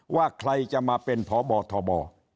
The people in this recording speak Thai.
ว่าใครจะมาเป็นพบทบ